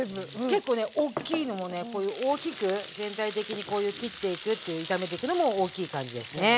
結構ねおっきいのもねこういう大きく全体的にこういう切っていくっていう炒めてくのも大きい感じですね。